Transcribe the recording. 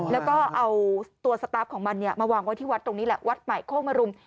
แล้วก็เอาตัวสตาร์ฟของมันมาวางไว้ที่วัดตรงนี้แหละวัดใหม่โคกมรุม